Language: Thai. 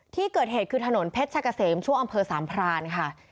ที่เกิดเหตุคือถนนเพชรชะกะเสมช่วงอำเภอสามพรานค่ะ